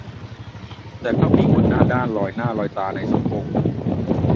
แต่เพราะมีคนหน้าด้านลอยหน้าลอยตาในสังคม